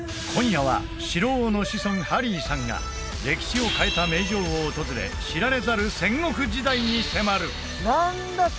今夜は城王の子孫ハリーさんが歴史を変えた名城を訪れ知られざる戦国時代に迫る何だ！？